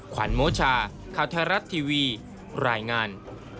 ขวัญโมชาข่าวไทยรัฐทีวีรายงาน